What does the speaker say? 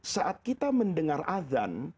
saat kita mendengar adhan